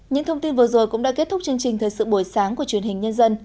những thông tin vừa rồi cũng đã kết thúc chương trình thời sự buổi sáng của truyền hình nhân dân